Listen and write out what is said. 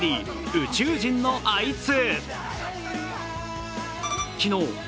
「宇宙人のあいつ」。